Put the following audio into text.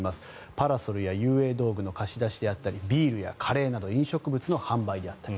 パラソルや遊泳道具の貸し出しであったりビールやカレーなど飲食物の販売であったり。